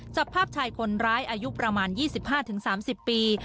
จับภาพชายคนร้ายอายุประมาณ๒๕๓๐ปี